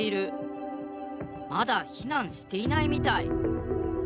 まだ避難していないみたい。